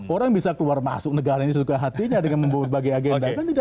orang bisa keluar masuk negara ini sesuka hatinya dengan membawa berbagai agenda